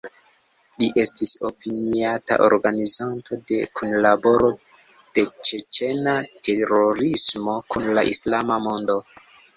Li estis opiniata organizanto de kunlaboro de ĉeĉena terorismo kun la islama mondo.